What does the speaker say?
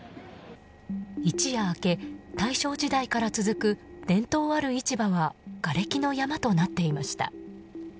一夜明け、大正時代から続く伝統ある市場はがれきの山となっていました。